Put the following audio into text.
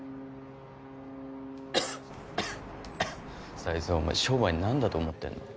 才津お前商売何だと思ってんの？